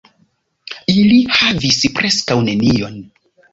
Ili havis preskaŭ nenion.